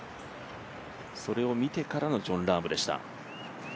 それを見てからのジョン・ラームでした。